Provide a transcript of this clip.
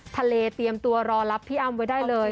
เตรียมตัวรอรับพี่อ้ำไว้ได้เลย